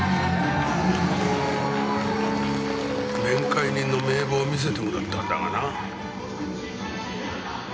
面会人の名簿を見せてもらったんだがな。